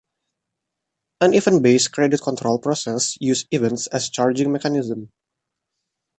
An event-based credit control process uses events as charging mechanism.